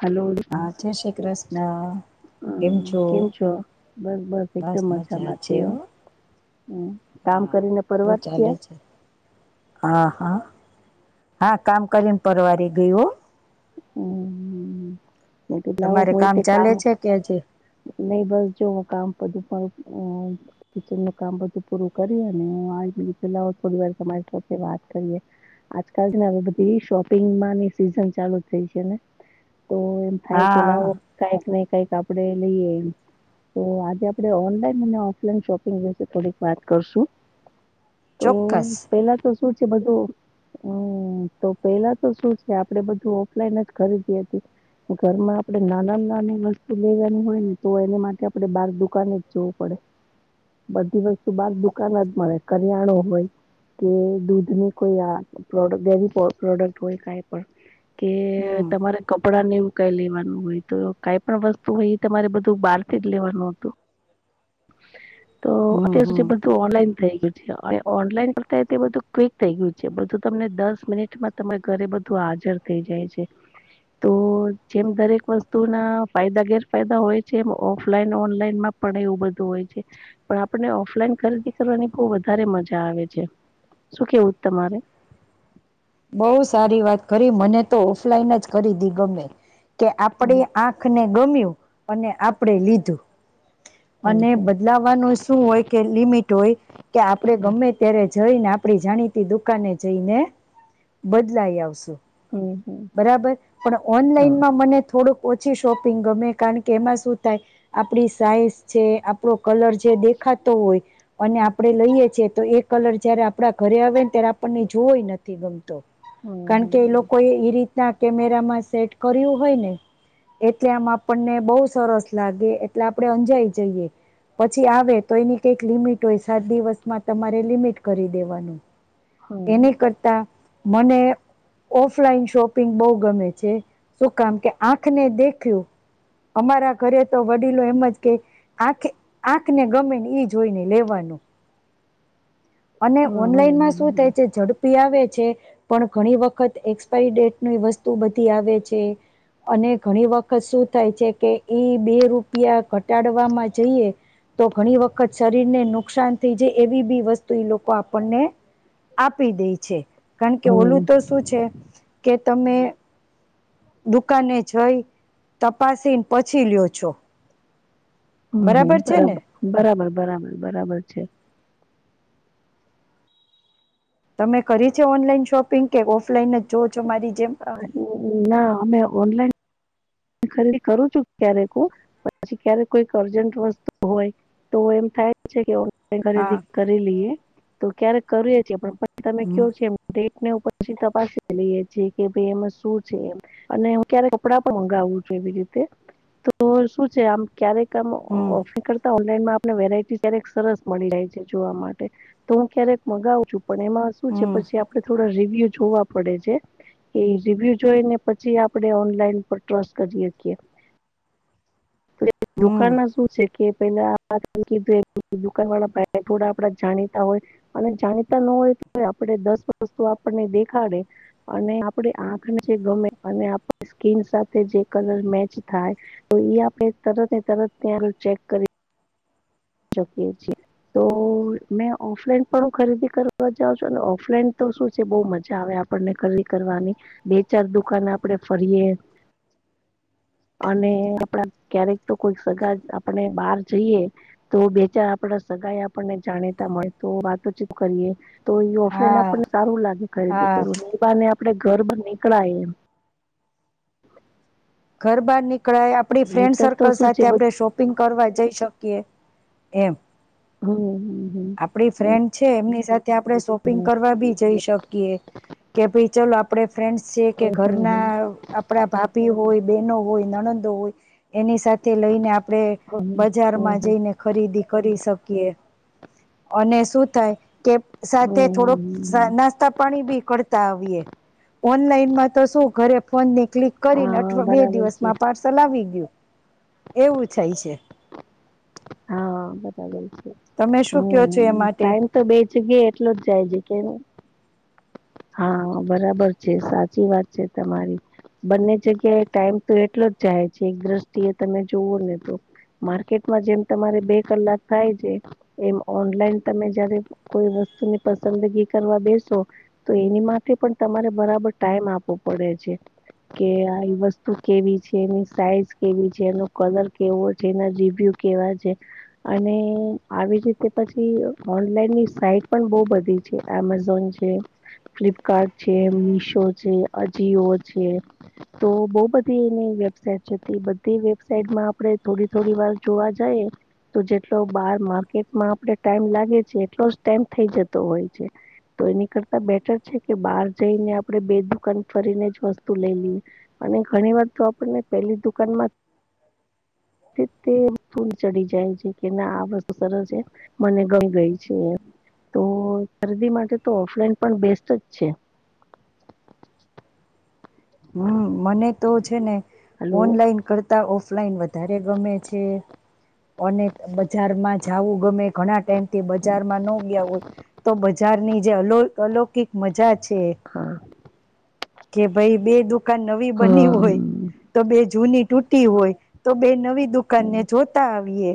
Hello હા જય શ્રી કૃષ્ણ હમ કેમ છો બસ બસ એકદમ મજામાં છે હ કામ હા કરીને શું પરવારી ચાલે ગ્યા છે હા હા હા કામ કરીને પરવારી ગઇ હો ઓ ન તો લાવો તમારે હોય તે કામ ચાલે છે કે હજી નહી બસ જોવું કામ બધું પણ કિચન નું કામ બધું પૂરું કરી અને પેલા થોડી વા તમા તો વાત કરીએ આજકાલ ને હ બધી શોપિંગ ની સિઝન ચાલુ થઈ છે ને [inaudible] હાય કેલા હા કઈક નહી કઈ કપડે લઈ તો આજે આપણે ઓનલાઈન અને ઓફલાઈન શોપિંગ વિશે થોડીક વાત કરશું તો ચોક્કસ પેલા તો શું છે બધું હમ તો પેલા તો શું છે આપણેે બધું ઓફલાઈન જ ખરીદી હતી. ઘરમાં આપડણે નાના નાની વસ્તુ લેવાની હોય ને તો એને માટે આપણે બાર દુકાને જ જોવું પડે. બધી વસ્તુ બાદ દુકાન જ મળે કરિયાણો હોય કે દૂધ ની કોઈોેવી પ્રોડક્ટ હોય ક. કે હમ તમારે કપડા ને કઈ લેવાનું હોય તો કઈ પણ વસ્તુ હોય એ તમારે બધું બહારથી જ લેવાનું હતું. તો હમ અત્યાર હમ સુધી બધું ઓનલાઈન ઓનલાઈન કરતા બધું ક્વિક થઈ ગયું છે બધું તમને દસ મિનિટમાં તમે ઘરે બધું હાજર થઈ જાય છે. તો જેમ દરેક વસ્તુ ના ફાયદા ગેરફાયદા હોય છે, એમ ઓફલાઈન ઓનલાઈનમાં પણ એવું બધું હોય. પણ આપણે ઓફલાઈન ખરીદી કરવાની બહ વધારે મજા આવે છે. શું કેવું તમારે? બઉુ સારી વાત ખરી મને તો ઓફલાઈન જ ખરીદી ગમે. કે આપણે હમ આંખને ગમ્યું અને આપણેે લીધું. અને હમ બદલાવાનું શું હોય કે લિમિટ હોય કે આપડે ગમે ત્યારે જઈને આપડી જાણીતી દુકાને જઈને બદલાઈ આવશું. હમ હમ હમ બરાબર પણ હા ઓનલાઈનમાં મને થોડુંક ઓછી શોપિંગ ગમે કારણ કે એમાં શું થાય આપડી સાઈઝ છે આપણો કલર છે દેખ ખા હોય અને આપડે લઈએ છીએ તો એ કલર જયારે આપણા ઘરે આવે ને ત્યારે આપણને જોવય નથી ગમત. હમ કારણ હમ કે એ લોકો એ એ રીતના કેમેરામાં સેટ કર્યું હોય ને એટલે આમ આપણને બહુ સરસ લાગે એટલે આપણે અંજાઈ જઈએ. પછી આવે તો એની કઈક લિમિટ હોય સાત દિવસમાં તમારે લિમિટ કરી દેવાનું. હમ હમ એને કરતા મને ઓફલાઈન શોપિંગ બહુ ગમે છે શું કામ કે આંખને દેખ્યું. અમારા ઘરે તો વડીલો એમ જ કે આખે આંખને ગમે ને એઈ જોઈ ને લેવાનું. શૂનું. અને ઓનલાઈનમાં શું થાય છે ઝડપી આવે. પણ ઘણી વખત એક્સપાયરી ડેટની વસ્તુ બધી આવે છે. અને ઘણી વખત શું થાય છે કે ઈ બે રૂપિયા ઘટાડવામાં જઈએ. તો ઘણી વખત શરીર ને નુકસાન થઈ જાય એવી બી વસ્તુ. એ લોકો આપણને આપી દે છે કારણ કે હમ ઓલું હમ તો શું છે કે. તમે દુકાને જઈ તપાસીને પછી લ્યો છો. હમ હમ બરાબર છે બરાબ ને બરાબર બરાબર બરાબર છે. તમે કરી છે ઓનલાઈન શોપિંગ કે ઓફલાઈન જ જો. ના અમે ઓનલાઈન ખરી કરું છું ક્યારેક. પછી ક્યારે કોઈક અર્જન્ટ વસ્તુ હોય તો એમ થાય છે કે. હા ખરીદી કરી લઈએ તો ક્યારેક કર છીએ પણ પછી તમે હમ કેયો છ. એમ આપ પછી તપાસી લઈએ છેી કે ભાઈ એમાં શું છે એ અને હું ક્યારે કપડા પણ મંગાવું છ. રીતે તો શું છે આમ ક્યારેક આમ હમ ઓફર કરતા. આપને વેરાયટી ક્યારેક સરસ મળી જાય છે જોવા માટે તો હું ક્યારેક મગાવ છું. પણ એમાં શું છે હમ પછી આપડે થોડા. ્ય જોવા પડે છે એ રિવ્યુ જોઈને પછી આપડે ઓનલાઈન પર ટ્રસ્ટ કરી શકીએ હમ રોકાણમાં શું છ? કે પેલાીધું દુાન વાળા થોડા આપડા જાણીતા હોય અને જાણીતા ન આપ દસ વસ્તુ આપણને દેખાડે અને આપણે આંખ ગમે અને સ્કીન સાથે જે કલર મેચ થાય તો એ આપણે તરત તરત તં ચેક કરી શકીએ છેએ. તો મેં ઓફલાઈન પણ ખરીદી કરવા જાાવં છોને ઓફલાઈન તો શું છે બહ મજા આવે. આપને કરી કરવાની બે ચાર દુકાાન આપડણે ફરીએ. [inaudible] અને આપણા ક્યારેક તો કોઈ સગા આપણે બહાર જઈએ. તો બેચાર આપડા સગા આપણને જાણીતા મળે તો વાતો ચીપ કરીએ. તો એ ઓફલાઈન આપને હા સારું લાગે ખરીદી હા કરું ને એ. આપડે ઘર બ નીકળાય એમ. ઘરબાર નીકળાય આપણી ફ્રેન્ડ નીતર તો સર્કલ શું છે સાથે બધું આપણે શોપિંગ કરવા જઈ શકીએ. એમ. હમ. હમ આપડી ફ્રેન્ડ છે એમની સાથે. ત્યા આપણે શોપિંગ કરવા બી જઈ શકીએ કે ભાઈ ચાલ આપણે. ફ્રેન્ડસ છે કે હમ ઘરના આપણા ભાભી હોય. બનો હોય નણંદો હોય એની સાથે. તે લઈને આપડણે હમ બજારમાં હમ જઈને ખરીદી કરી શકીએ. અને શું થાય કે હમ સાથે થોડોક હમ નાસ્તા પાણી ભી. તા ઓનલાઈનમાં. તો શું ઘરે ફોન ની ક્લિક કરીને હા અવા બે બરાબર છે દિવસમાં પાર્સલ આવી ગયું. એવું થાય છે. હા બતા. તમે શું હમ કયો છો એ માટે ટાઈમ તો બે જગ્યા એટલો જ જાય છે કે. હા બરાબર છે સાચી વાત છે તમારી. બંને જગ્યાએ ટાઈમ તો એટલો જ જાય છે એક દ્રષ્ટિએ તમે જોવો ને તો. માર્કેટમાં જેમ તમારે બે કલાક થાય છે એમ ઓનલાઈન તમે જયારે કોઈ વસ્તુ સ્તુની પસંદગી કરવા બેસો તો એની માટે પણ તમારે બરાબર ટાઈમ આપવો પડે છે. કે આવી વસ્તુ કેવી છે એની સાઈઝ કેવી છે એનો કલર કેવો છે એના રિવ્યુ. વા અને આવી રીતે પછી ઓનલાઈનની સાઈટ પણ બહ બધી. એમેઝોન છે. ફ્લિપકાર્ટ છે મીશો છે અજીિયો છે તો બહ બધી. વબટ બધી વેબસાઇટમાં આપડે થોડી થોડી વાર જોવા જઈએ. તો જેટલો બાર માર્કેટમાં આપણે ટાઈમ લાગે છે એટલો જ ટાઈમ થઈ જતો હોય છે. તો એ ન કરતા. બેટર છે કે બહાર જઈને આપણે બે દુકાન ફરીને જ વસ્તુ લઈ લઈએ અને ઘણી વાર. તો આપણને પેલી દુકાનમાં. [inaudible] તે તૂ ચડી જાય છે કે ના આ વસ્તુ સરસ એમ મને ગમ ગઈ છે એમ. તો શરદી માટે તો ઓફલાઈન. પણ બેસ્ત જ છે. હમ મને તો છે ને હલો ઓનલાઈન કરતા ઓફ. ઓફલાઈન વધારે ગમે છે. અને બજારમાં જાવું ગમે ઘણા ટાઈમથી બજારમાં ન ગયા હોય. તો બજારની જે અ અલૌકિક મજા છે. હા. કે ભાઈ બે દુકાન નવી બની હમ હોય તો બે જૂની. તૂટી હોય તો બે નવી દુકાન ને જોતા આવીએ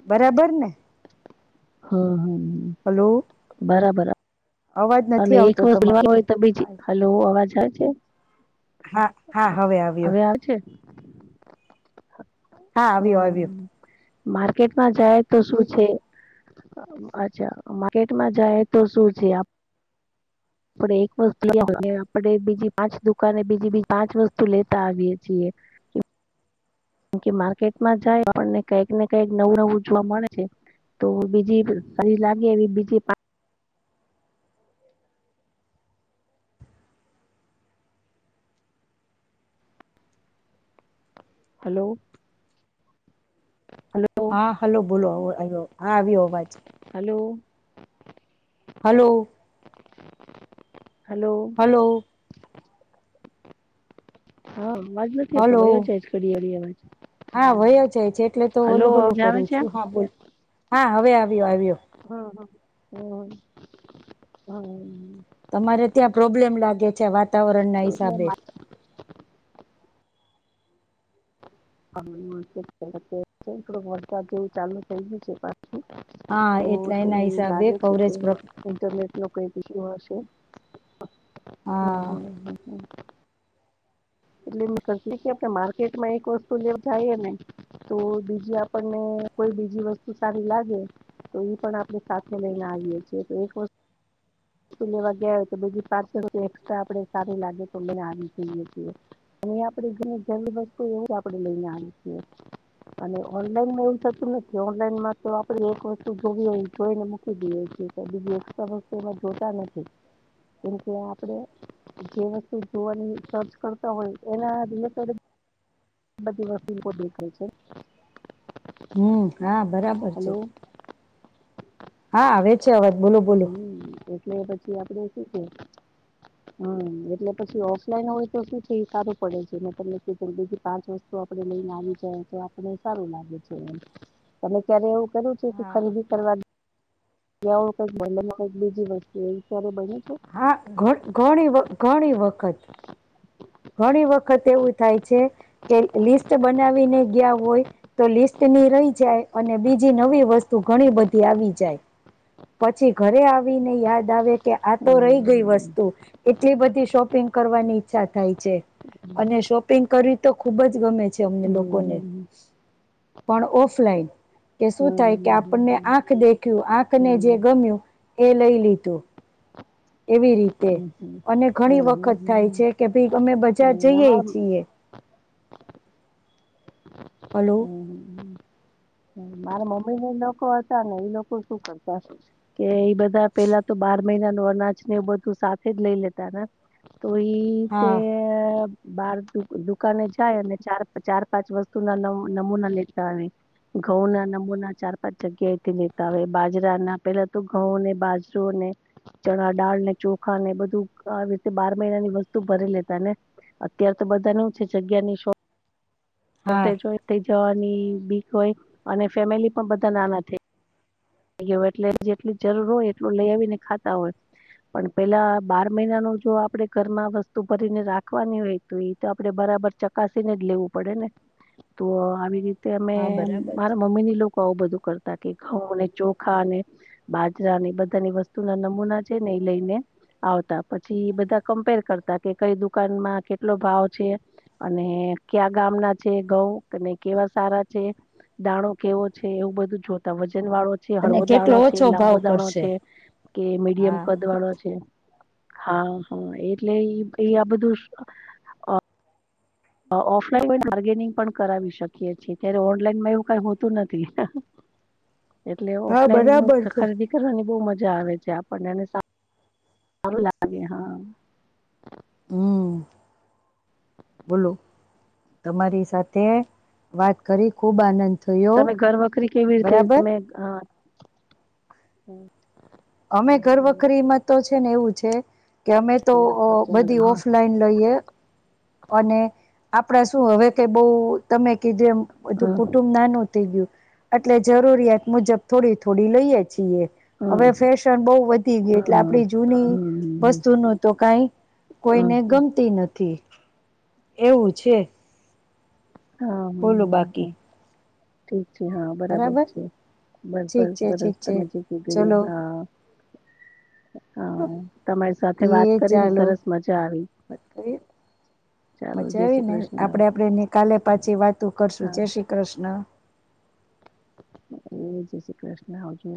બરાબર ને. હા હા. હલો. અવાજ અને નથી એક આવતો વખત તમારો લેવાનું હોય તો બીજી હાલ અવાજ આવે છે. હા હા આવ્યો હવે આવ છે? હા આવ્યો આવ્યું. માર્કેટ માં જાય તો શું છે? અચ્છા માર્કેટમાં જાય તો શ છે? આપડે એક વસ્તુ લને આપડે બીજી પાંચ દુકાને બીજી બીજી પાંચ વસ્તુ લેતા આવીએ છીએ. હ [inaudible] કેમ કે માર્કેટમાં જાય આપણને કઈક ને કઈક નવું નવું જોવા મળે છે. તો બીજી ફરી લાગે એવી બીજી. હલો. હલો હા હલો બોલો આવ્યો હા આવ્યો અવાજ. હલો. હલો. હલો. હલો હા અજ નથી હોતો વયો હલો જાયજ ઘડિયાળી અવાજ. હા વય જાય છે એટલે તો હલો હલું હલું અવાજ આવે કરું છે? છું હા બોલ. હા હવે આવ્યો આવ્યો. હમ હમ. તમારે ત્યાં પ્રોબ્લેમ લાગે છે વાતાવરણ ના હિસાબે. થડુંક વરસાદ જેવું ચાલુ થઈયું છે. હા એટલે તો એના હિસાબે લાગે છે કે કવરેજ પ્રો ઇન્ટરનેટ ન કઈ. પશે હમ હ હા હ હ. હ. એટલે આપ માર્કેટમાં એક વસ્તુ લેવ થાય ને તો બીજી આપણને બીજી વસ્તુ સારી લાગે તો એ પણ આપણે સાથે લઈને આવીએ છીએ તો એક વસ્તુ કેટલાં વાગ્યા હોય તો બીજી પાંસો રૂપિયા એસ્ટ્રા આપે છે બસ સારું લાગે તો મે આવી જોઈએ. અ આપે ઘણી જરૂર વસ્તુ એવું જ આપણે લઈને આવી છીએ. અને ઓનલાઈનમાં એવું થતું નથી ઓનલાઈનમાં તો આપે એક વસ્તુ જો હો જોઈને મૂકી દઈએ છીએ. બીજી એકસ્ટા વસ્તુઓ સેમ એમાં જોતા નથી્. કેમ કે આપડે જે વસ્તુ જોવાની. હોય તોજ કરતા હોય એના રિલેટેડ બધી વસ્તુઓ દેખાય છે. હમ. હા બરાબર છે. હલો હા, આવે છે. અવાજ બોલો બોલો. મે પછી આપડે શું છે. હમ એટલે પછી ઓફલાઈન હોય તો શું છે. સારું પડે છે. મેતમને કીધું એમ બીજી પાંચ વસ્તુ આપ લઈને આવી જાય તો આપ સારું લાગે છે. તમે ક્યારે એવું કર્યું છે. કે હા ખરીદી કરવાની એવું કઈક બન્યું છે કઈક બીજી વસ્તુ એ વિચારે બધું. હા ઘ ઘણી ઘણી વખત. ઘણી વખત એવું થાય છે. કે લિસ્ટ બનાવીને ગયા હોય તો લિસ્ટ રહી જાય અને બીજી નવી વસ્તુ ઘણી બધી આવી જાય. પછી ઘરે આવીને યાદ આવે કે આ તો રહી ગઈ હમ્મ, વસ્તુ એટલી બધી શોપિંગ કરવાની ઈચ્છા થાય છે. અને શોપિંગ કરવી તો ખુબ જ ગમે છે. અમને હમ્મ, લોકોને હમ્મ, પણ ઓફલાઈન. કે શું હમ્મ, થાય કે આપણને હમ્મ, આંખ દેખ્યું આંખને જે હમ્મ, ગમ્યું એ લઈ લીધું. એવી રીતે હમ્મ, હમ્મ, હમ્મ, હમ્મ. અને ઘણી હમ્મ, હમ્મ, વખત થાય હમ્મ, છે કે ભઈ અમે બજારમાં હમ્મ, જઈએ અમાર જીએ. હલો. હમ્મ, હમ્મ. મારા મમ્મી ના એ લોકો હતા ને એ લોકો શું કરતા કે બધા પેલા તો બાર મહિના અનાજ ને બધું સાથે જ લઈ લેતા. ને તો એ રીતે હા બાર દુકાને જાય અને ચાર ચાર પાંચ વસ્તુ ના નમૂના લેતા આવે. ઘઉં ના નમૂના ચાર પાંચ જગ્યાએથી લેતા હો બાજરા ના પેલા તો ઘઉંને બાજરોને. ચણા દાળ ને ચોખા ને બધું આવી રીતે બાર મહિનાની વસ્તુ ભરી લેતા ને. અત્યારે તો બધાને હુ છે. જગ્યા ની શો હા ટેજ જવાની બીક હોય અને ફેમિલી પણ બધા નાના થઈ ગયા. થ ગયો હોય એટલે જેટલ જરૂર હોય એટલું લઈ આવીને ખાતા હોય. પણ પેલા બાર મહિના ન જો આપડે ઘરમાં વસ્તુ ભરીને રાખવાની હોય તો એ તો આપડે બરાબર. બરાબર ચકાસીને જ લેવું પડે ને તો આવી રીતે. તે અમે હા બરાબર છે મારા મમ્મી ની લોકો આવું બધું કરતા કે ઘઉ, ચોખા ને બાજરા ને એ બધાની વસ્તુ ના નમૂના છે. ને એ લઈ ને. આવતા પછી બધા કમ્પેર કરતા કે કઈ દુકાનમાં કેટલો ભાવ છે. અને ક્યાં ગામના છે. ઘઉ અને કેવા સારા છે. દાણો કેવો છે. એવું બધું જોતા વજન વાળું છે. અને હળવો દાણો કેટલો છે. ઓછો લાંબો ભાવ દાણો કરશે છે. કે મીડિયમ હા કદવાળો છે. હા હા એટલે એ આ બધું. ઓફલાઈન બાર્ગેનિંગ પણ કરાવી શકીએ છીએ ત્યારે ઓનલાઈનમાં એવું કઈ હોતું નથી. [inaudible] એટલે હા ઓફલાઈન બરાબર છે ખરીદી કરવાની બહુ મજા આવે છે. આપણને એને. સારૂ લાગે હા. [unintelligible] હમ બોલો તમારી સાથે. વાત કરી ખુબ આનંદ થયો તમે બરાબર. હમ [unintelligible] અમે તો ઘર વખરીં મા તો એવું છે. ને એવું છે. કે અમે તો ચાલો. બધી હા, ઓફલાઈન લઈએ. અને આપડા શું હવે કઈ બઉ તમે કીધું એમ બધું હા, કુટુંબ નાનું થઈ ગયું એટલે જરૂરિયાત મુજબ થોડી થોડી લઈએ છીએ હવે હા, હા. ફેશન બહુ વધી ગય એટલે હમ, આપણી જૂની હમ, વસ્તુ નું તો કાઈ કોઈને હમ. ગમતી નથી એવું છે બોલો બાકી ઠી હા બરાબર છે ઠીક બસબર છે ઠીક છે સરસતા મજ ક ગ ચલો હા હા તમારી સાથે વાત એ કરીને ચાલો સરસ મજા આવી વાત કરીએ ચાલો મજા જય શ્રી આવી ને કૃષ્ણ આપડે આપડે ન કાલે પછી વાતો કરશું હા જય શ્રી કૃષ્ણ એ જ શ્રી કૃષ્ણ આવજે